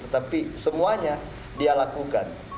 tapi semuanya dia lakukan